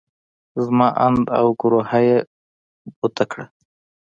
زما اند او ګروهه يې بوته کړه.